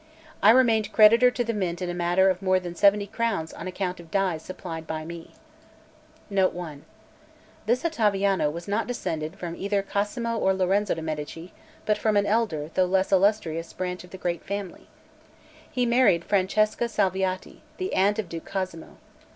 I remained creditor to the Mint in a matter of more than seventy crowns on account of dies supplied by me. Note 1. This Ottaviano was not descended from either Cosimo or Lorenzo de' Medici, but from an elder, though less illustrious, branch of the great family. He married Francesca Salviati, the aunt of Duke Cosimo.